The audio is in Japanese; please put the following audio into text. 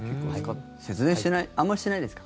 節電してないあまりしてないですか？